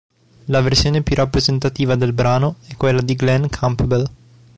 La versione più rappresentativa del brano è quella di Glen Campbell.